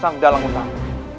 sang dalang utama